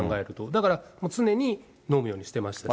だから、常に飲むようにしてましたし。